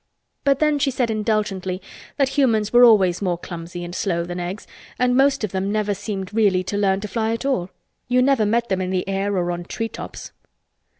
But then she said indulgently that humans were always more clumsy and slow than Eggs and most of them never seemed really to learn to fly at all. You never met them in the air or on tree tops.